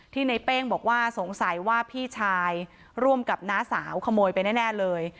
ในเป้งบอกว่าสงสัยว่าพี่ชายร่วมกับน้าสาวขโมยไปแน่เลย